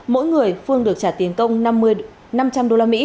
mỗi người phương được trả tiền công năm trăm linh usd